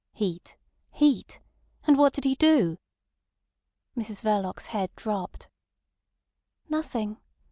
"Heat! Heat! And what did he do?" Mrs Verloc's head dropped. "Nothing.